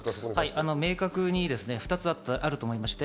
明確に２つあると思います。